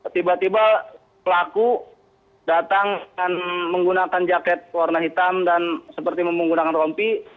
tiba tiba pelaku datang dengan menggunakan jaket warna hitam dan seperti menggunakan rompi